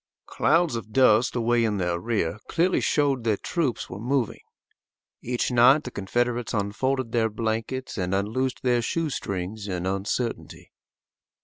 Clouds of dust away in their rear clearly showed that troops were moving. Each night the Confederates unfolded their blankets and unloosed their shoe strings in uncertainty.